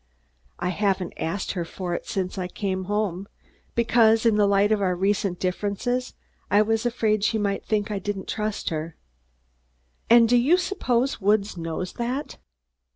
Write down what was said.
I haven't asked her for it since I came home, because, in the light of our recent differences, I was afraid she might think I didn't trust her." "And do you suppose Woods knows that?"